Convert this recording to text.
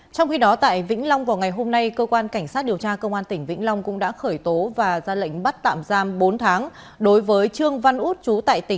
trong khi đó tại vĩnh long vào ngày hôm nay cơ quan cảnh sát điều tra công an tỉnh vĩnh long cũng đã khởi tố và ra lệnh bắt tạm giam bốn tháng đối với trương văn út